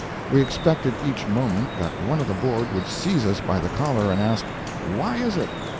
We expected each moment that one of the Board would seize us by the collar and ask, "Why is it?"